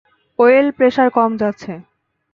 Oil pressure কমে যাচ্ছে!